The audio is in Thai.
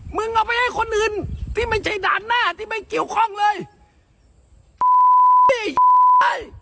มึงเอาไปให้คนอื่นที่มันใช่ด่านหน้าที่เกี่ยวข้องเลยไอ